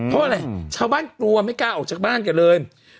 เพราะอะไรชาวบ้านกลัวไม่กล้าออกจากบ้านแกเลย